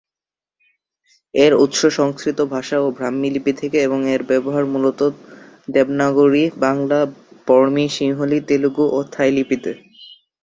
এর উৎস সংস্কৃত ভাষা ও ব্রাহ্মী লিপি থেকে এবং এর ব্যবহার মূলত দেবনাগরী, বাংলা, বর্মী, সিংহলি, তেলুগু ও থাই লিপিতে।